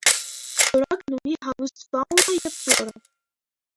Ձորակն ունի հարուստ ֆաունա և ֆլորա։